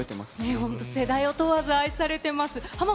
本当、世代を問わず愛されてます。